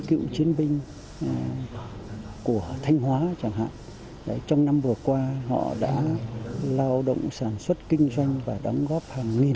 không có dưỡng thang bằng